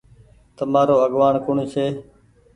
تمآرو آگوآڻ ڪوڻ ڇي۔